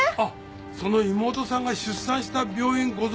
その妹さんが出産した病院ご存じですか？